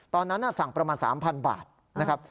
ตอนนั้นสั่งประมาณ๓๐๐บาทนะครับ